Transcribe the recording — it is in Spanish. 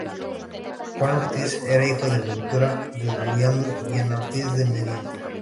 Juan Ortiz era hijo de Ventura de Luyando y Ana Ortiz de Mendieta.